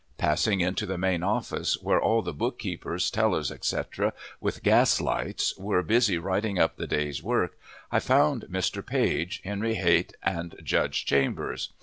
Passing into the main office, where all the book keepers, tellers, etc., with gas lights, were busy writing up the day's work, I found Mr. Page, Henry Height, and Judge Chambers.